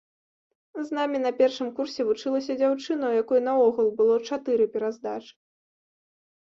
З намі на першым курсе вучылася дзяўчына, у якой наогул было чатыры пераздачы.